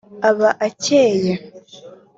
aba akeye